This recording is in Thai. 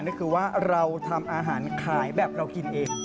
ก็คือว่าเราทำอาหารขายแบบเรากินเอง